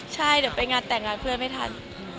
ใช่เดี๋ยวไปงานแต่งงานเพื่อนไม่ทัน